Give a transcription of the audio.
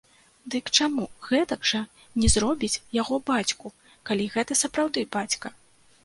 Дык чаму гэтак жа не зробіць яго бацьку, калі гэта сапраўды бацька?